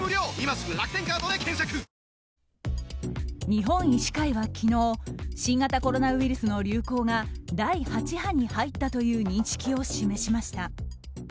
日本医師会は昨日新型コロナウイルスの流行が第８波に入ったという認識を示しました。